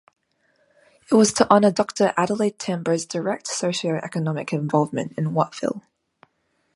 It was to honour Doctor Adelaide Tambo's direct socio-economic involvement in Wattville.